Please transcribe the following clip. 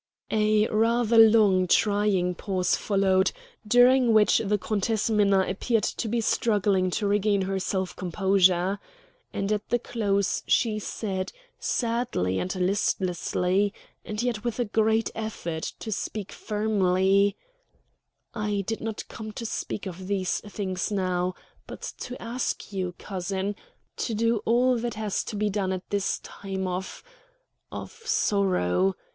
A rather long, trying pause followed, during which the Countess Minna appeared to be struggling to regain her self composure. And at the close she said, sadly and listlessly, and yet with a great effort to speak firmly: "I did not come to speak of these things now, but to ask you, cousin, to do all that has to be done at this time of of sorrow.